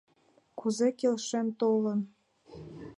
— Кузе келшен толын!